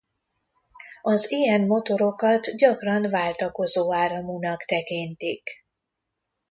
Az ilyen motorokat gyakran váltakozó áramúnak tekintik.